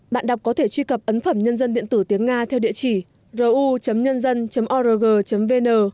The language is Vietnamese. bạn đọc có thể truy cập ấn phẩm nhân dân điện tử tiếng nga theo địa chỉ ru nhân dân org vn